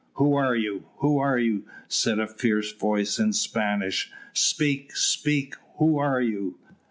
"Who are you? who are you?" said a fierce voice in Spanish. "Speak, speak, who are you?"